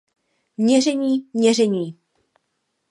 Měření, měření!